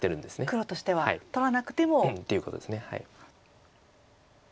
黒としては取らなくても。っていうことです。